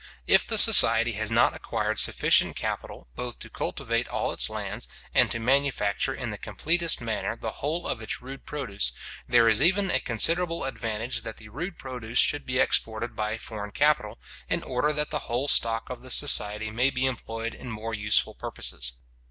If the society has not acquired sufficient capital, both to cultivate all its lands, and to manufacture in the completest manner the whole of its rude produce, there is even a considerable advantage that the rude produce should be exported by a foreign capital, in order that the whole stock of the society may be employed in more useful purposes.